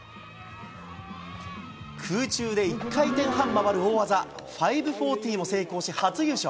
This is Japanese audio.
空中で１回転半回る大技、５４０も成功し、初優勝。